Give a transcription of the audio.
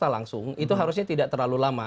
secara langsung itu harusnya tidak terlalu lama